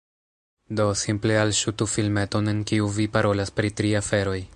Do, simple alŝutu filmeton en kiu vi parolas pri tri aferoj